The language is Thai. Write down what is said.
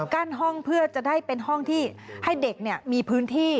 ห้องเพื่อจะได้เป็นห้องที่ให้เด็กมีพื้นที่